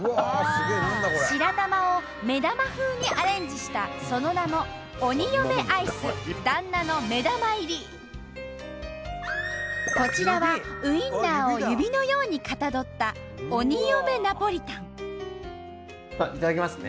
白玉を目玉風にアレンジしたその名もこちらはウインナーを指のようにかたどったいただきますね！